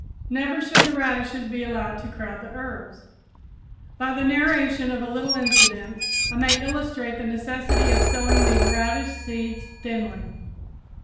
Never should the radishes be allowed to crowd the herbs. By the narration of a little incident, I may illustrate the necessity of sowing these radish seeds thinly.